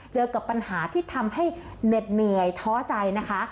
เจอกับปัญหาที่ทำให้เหน็ดเหนื่อยท้อใจนะคะ